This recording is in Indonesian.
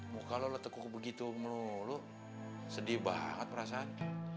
muka lo letak kuku begitu mulu lo sedih banget perasaan